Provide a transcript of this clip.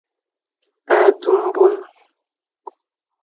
A du mbong.